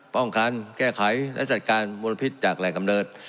แก้ไขและจัดการมลพิษจากแหล่งกำเนิด